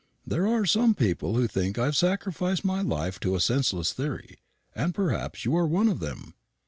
There are some people who think I have sacrificed my life to a senseless theory; and perhaps you are one of them.